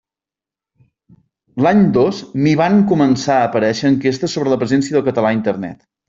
L'any dos mi van començar a aparèixer enquestes sobre la presència del català a Internet.